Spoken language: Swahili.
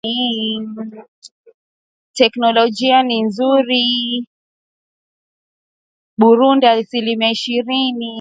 asilimia kumi na tatu Burundi asilimia ishirini na tano Sudan Kusini